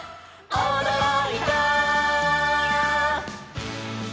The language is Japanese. おどろいた」